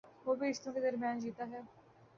وہ بھی رشتوں کے درمیان جیتا ہے۔